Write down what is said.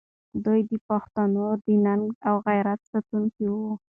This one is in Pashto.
دوی د پښتنو د ننګ او غیرت ساتونکي وو.